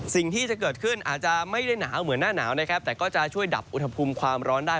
สิ่งที่จะเกิดขึ้นอาจจะไม่ได้หนาวเหมือนหน้าหนาวนะครับแต่ก็จะช่วยดับอุณหภูมิความร้อนได้